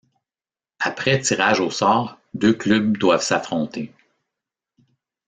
Après tirage au sort, deux clubs doivent s'affronter.